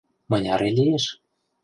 Мыняре лиеш?